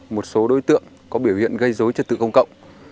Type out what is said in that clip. một số đối tượng có biểu hiện gây dối trật tự công cộng